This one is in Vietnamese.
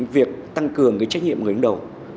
việc tăng cường cái trách nhiệm người đánh đầu